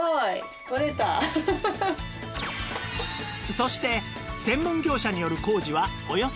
そして専門業者による工事はおよそ９０分